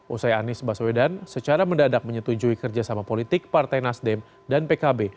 usai anies baswedan secara mendadak menyetujui kerjasama politik partai nasdem dan pkb